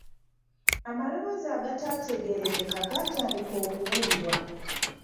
Amaloboozi agatategeerekeka gatandika okuwulirwa.